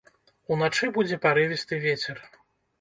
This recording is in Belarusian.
Уначы будзе парывісты вецер.